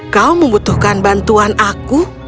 kau membutuhkan bantuan aku